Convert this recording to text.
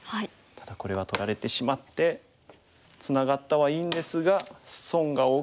ただこれは取られてしまってツナがったはいいんですが損が大きい。